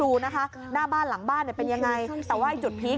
ตรูนะคะหน้าบ้านหลังบ้านเป็นยังไงแต่ว่าจุดพีท